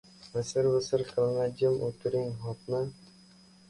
— Visir-visir qilmay jim o‘tiring, xo‘pmi?